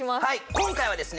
今回はですね